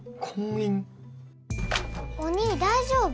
お兄大丈夫？